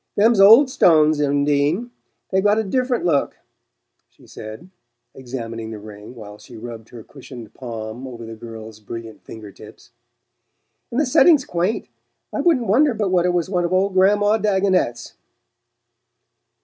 "Them's old stones, Undine they've got a different look," she said, examining the ring while she rubbed her cushioned palm over the girl's brilliant finger tips. "And the setting's quaint I wouldn't wonder but what it was one of old Gran'ma Dagonet's."